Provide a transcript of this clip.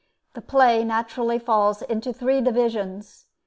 The play naturally falls into three divisions.